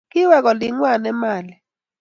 Kiwek olingwai Emali